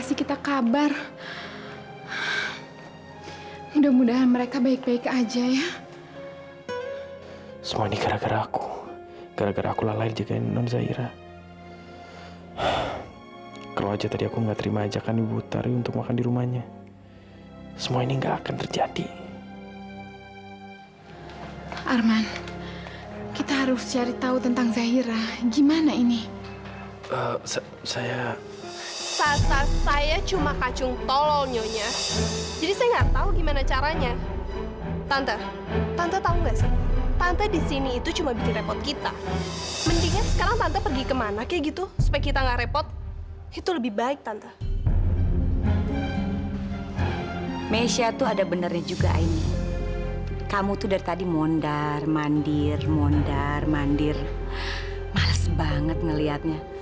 sampai jumpa di video selanjutnya